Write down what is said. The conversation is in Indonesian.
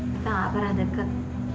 kita gak pernah deket